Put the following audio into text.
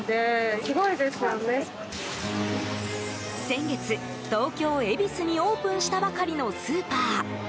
先月、東京・恵比寿にオープンしたばかりのスーパー。